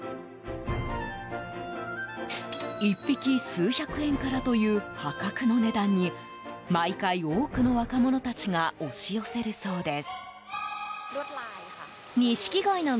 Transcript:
１匹数百円からという破格の値段に毎回、多くの若者たちが押し寄せるそうです。